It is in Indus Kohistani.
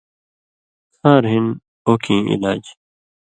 کھاݩر ہِن اوکیں علاج